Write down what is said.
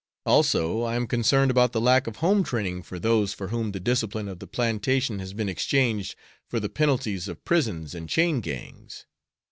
Also, I am concerned about the lack of home training for those for whom the discipline of the plantation has been exchanged for the penalties of prisons and chain gangs.